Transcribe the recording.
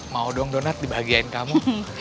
mau dong donat dibahagiain kamu